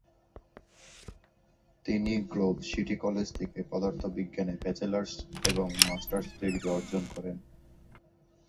তিনি Grove City College থেকে পদার্থবিজ্ঞানে ব্যাচেলর্স এবং মাস্টার্স ডিগ্রি অর্জন করেন।